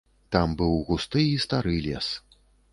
Там быў густы і стары лес.